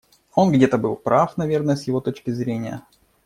Он где-то был прав, наверное, с его точки зрения.